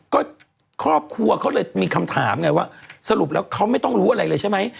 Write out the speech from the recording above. ก็ครอบครัวเขาเลยมีคำถามไงว่าสรุปแล้วเขาไม่ต้องรู้อะไรเลยใช่ไหม